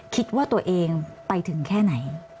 คิดว่าตัวเองไปถึงแค่ไหน